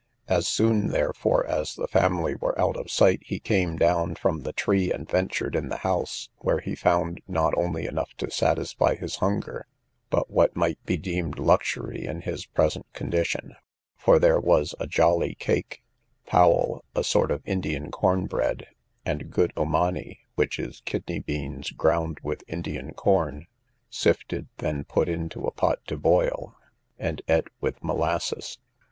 As soon, therefore, as the family were out of sight, he came down from the tree, and ventured in the house, where he found not only enough to satisfy his hunger, but what might be deemed luxury in his present condition: for there was a jolly cake, powell, a sort of Indian corn bread, and good omani, which is kidney beans ground with Indian corn, sifted, then put into a pot to boil, and eat with molasses.